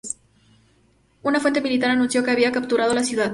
Una fuente militar anunció que habían capturado la ciudad.